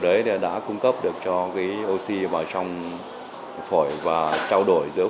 để đảm bảo sự độ bão hòa oxy trong máu